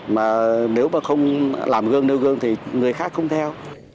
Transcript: mà nếu mà không làm gương mẫu thì người khác không theo